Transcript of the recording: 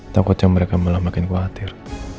takut yang mereka malah makin khawatir